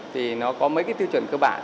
thì nó có mấy cái tiêu chuẩn cơ bản